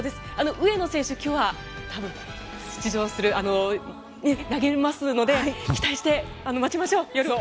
上野選手、今日は多分出場する投げますので期待して待ちましょう、夜を。